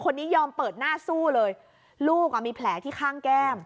ยอมเปิดหน้าสู้เลยลูกอ่ะมีแผลที่ข้างแก้ม